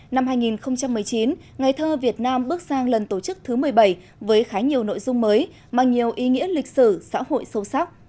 năm hai nghìn một mươi chín ngày thơ việt nam bước sang lần tổ chức thứ một mươi bảy với khá nhiều nội dung mới mang nhiều ý nghĩa lịch sử xã hội sâu sắc